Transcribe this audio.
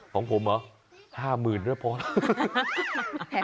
ของผมหรอห้ามื่นแล้วพอแล้ว